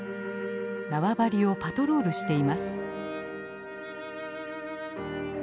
縄張りをパトロールしています。